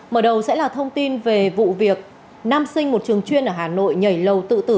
mở đầu sẽ là thông tin về vụ việc nam sinh một trường chuyên ở hà nội nhảy lầu tự tử